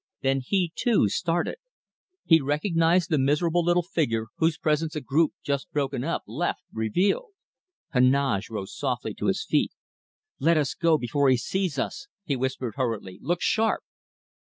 Then he, too, started. He recognized the miserable little figure whose presence a group just broken up left revealed. Heneage rose softly to his feet. "Let us go before he sees us," he whispered hurriedly. "Look sharp!"